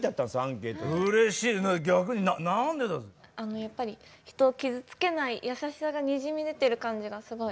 やっぱり人を傷つけない優しさがにじみ出てる感じがすごい。